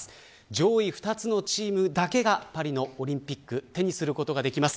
上位２つのチームだけがパリのオリンピック手にすることができます。